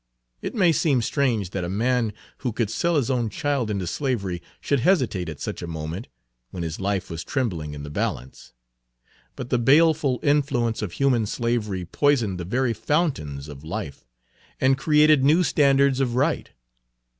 It may seem strange that Page 88 a man who could sell his own child into slavery should hesitate at such a moment, when his life was trembling in the balance. But the baleful influence of human slavery poisoned the very fountains of life, and created new standards of right.